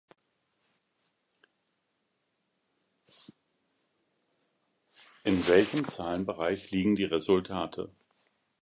In welchem Zahlenbereich liegen die Resultate?